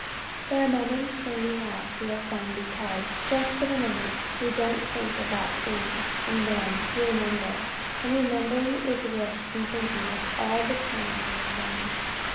There are moments when we have real fun because, just for the moment, we don't think about things and then we remember and the remembering is worse than thinking of it all the time would have been.